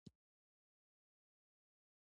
پسه باید له تاوتریخوالي وساتل شي.